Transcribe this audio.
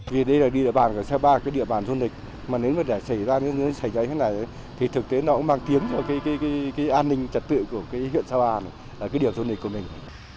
vì đây là địa bàn của sapa địa bàn du lịch nếu xảy ra như thế này thì thực tế nó cũng mang tiếng cho an ninh trật tự của huyện sapa địa bàn du lịch của mình